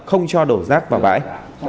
không cho đổ rác vào bãi